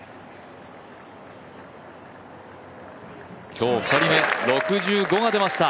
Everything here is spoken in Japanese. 今日２人目、６５が出ました。